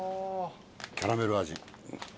キャラメル味。